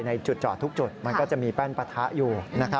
ในจุดจอดทุกจุดมันก็จะมีแป้นปะทะอยู่